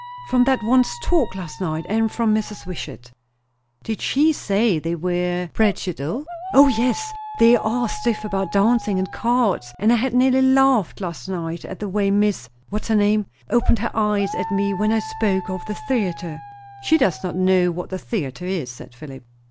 "From that one's talk last night. And from Mrs. Wishart." "Did she say they were puritanical?" "Yes. O yes! they are stiff about dancing and cards; and I had nearly laughed last night at the way Miss what's her name? opened her eyes at me when I spoke of the theatre." "She does not know what the theatre is," said Philip.